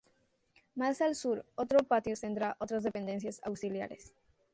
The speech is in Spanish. Más al sur, otro patio centra otras dependencias auxiliares.